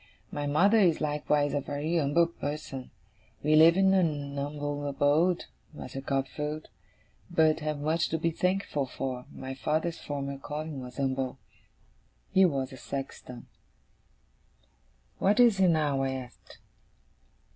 My mother is likewise a very umble person. We live in a numble abode, Master Copperfield, but have much to be thankful for. My father's former calling was umble. He was a sexton.' 'What is he now?' I asked.